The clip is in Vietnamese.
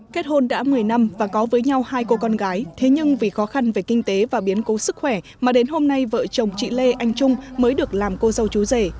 kết hôn đã một mươi năm và có với nhau hai cô con gái thế nhưng vì khó khăn về kinh tế và biến cố sức khỏe mà đến hôm nay vợ chồng chị lê anh trung mới được làm cô dâu chú rể